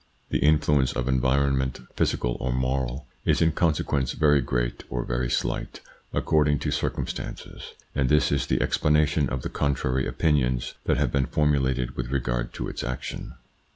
The influence of environment physical or moral is in consequence very great or very slight according to circumstances, and this is the explanation of the contrary opinions that have been formulated with regard to its action.